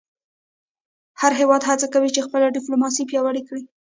هر هېواد هڅه کوي خپله ډیپلوماسي پیاوړې کړی.